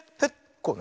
こうね。